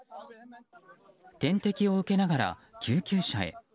点滴を受けながら救急車へ。